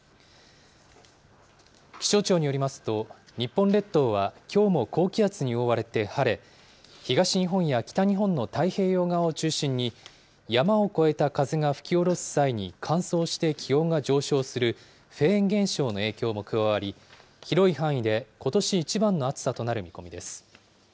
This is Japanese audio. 気象庁によりますと、日本列島はきょうも高気圧に覆われて晴れ、東日本や北日本の太平洋側を中心に、山を越えた風が吹き下ろす際に乾燥して気温が上昇するフェーン現象の影響も加わり、広い範囲でことし一番の暑さとなる見込みです。